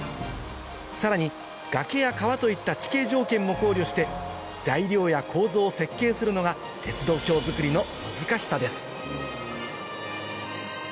さらに崖や川といった地形条件も考慮して材料や構造を設計するのが鉄道橋造りの難しさです